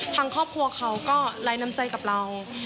ทางครอบครัวเขาก็ไร้น้ำใจกับเรา